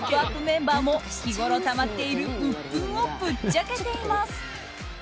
メンバーも日ごろたまっているうっぷんをぶっちゃけています。